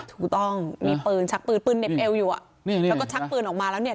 ถูกต้องมีปืนชักปืนปืนเหน็บเอวอยู่อ่ะแล้วก็ชักปืนออกมาแล้วเนี่ย